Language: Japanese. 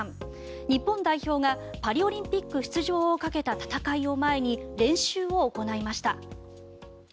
日本代表がパリオリンピック出場をかけた戦いを前に練習を行いました。